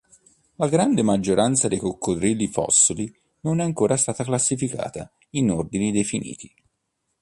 La grande maggioranza dei coccodrilli fossili non è ancora stata classificata in ordini definiti.